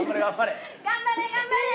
頑張れ頑張れ。